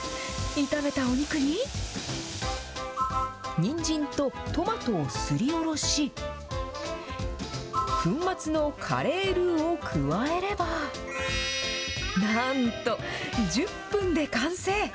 炒めたお肉に、にんじんとトマトをすりおろし、粉末のカレールーを加えれば、なんと、１０分で完成。